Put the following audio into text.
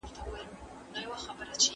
که د ایلاء مده پوره سي، څه پيښيږي؟